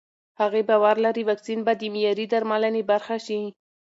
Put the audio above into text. هغې باور لري واکسین به د معیاري درملنې برخه شي.